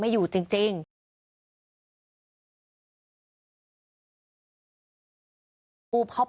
มีคนเสียชีวิตคุณ